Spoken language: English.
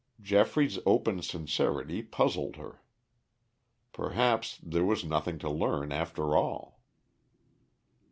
Geoffrey's open sincerity puzzled her. Perhaps there was nothing to learn after all.